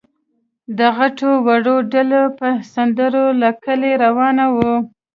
د غټو وړو ډله په سندرو له کلي روانه وه.